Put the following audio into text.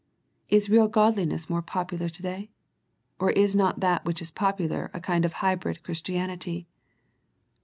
Is real Godliness more popular to day, or is not that which is popular a kind of hybrid Christianity